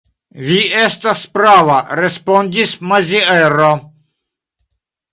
Vi estas prava, respondis Maziero.